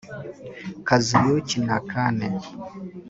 Kazuyuki Nakane